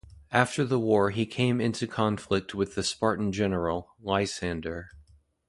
After the war he came into conflict with the Spartan general, Lysander.